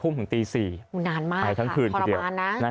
๒คุมถึงตี๔ไอทั้งคืนคือเดียว